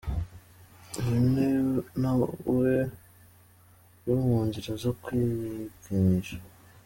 Uyu na we ari mu nzira zo kwikinisha.